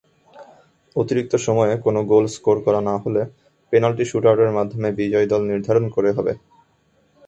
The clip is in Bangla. অতিরিক্ত সময়ে কোন গোল স্কোর করা না হলে, পেনাল্টি শুট-আউটের মাধ্যমে বিজয়ী দল নির্ধারণ করে হবে।